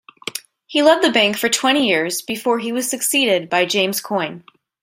He led the bank for twenty years before he was succeeded by James Coyne.